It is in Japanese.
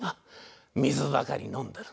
水ばかり飲んでる。